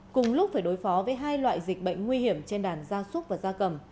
cùng lúc phải đối phó với hai loại dịch bệnh nguy hiểm trên đàn da súc và gia cầm